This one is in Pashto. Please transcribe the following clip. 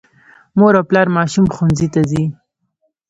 مور او پلار ماشوم ښوونځي ته ځي.